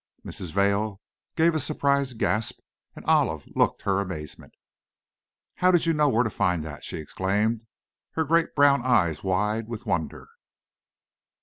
Mrs. Vail gave a surprised gasp, and Olive looked her amazement. "How did you know where to find that?" she exclaimed, her great brown eyes wide with wonder.